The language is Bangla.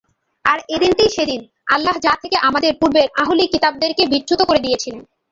আর এদিনটিই সেদিন, আল্লাহ যা থেকে আমাদের পূর্বের আহলি কিতাবদেরকে বিচ্যুত করে দিয়েছিলেন।